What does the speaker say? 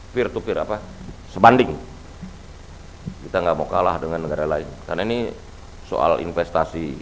virtu birapa sebanding kita nggak mau kalah dengan negara lain karena ini soal investasi